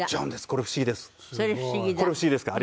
これ不思議ですか？